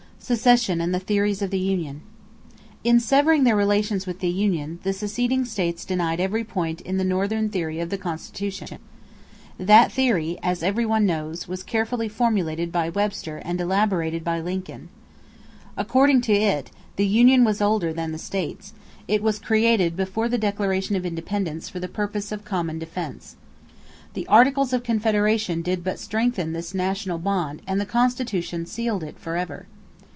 =Secession and the Theories of the Union.= In severing their relations with the union, the seceding states denied every point in the Northern theory of the Constitution. That theory, as every one knows, was carefully formulated by Webster and elaborated by Lincoln. According to it, the union was older than the states; it was created before the Declaration of Independence for the purpose of common defense. The Articles of Confederation did but strengthen this national bond and the Constitution sealed it forever.